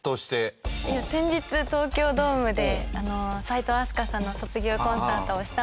先日東京ドームで齋藤飛鳥さんの卒業コンサートをしたんですけど。